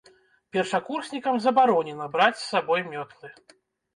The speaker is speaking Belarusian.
Першакурснікам забаронена браць з сабой мётлы.